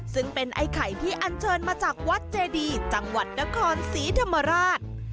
ซึ่งเป็นไอ้ไข่ที่อันเชิญมาจากวัดเจดีจังหวัดนครศรีธรรมราช